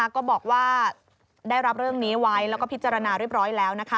ก็บอกว่าได้รับเรื่องนี้ไว้แล้วก็พิจารณาเรียบร้อยแล้ว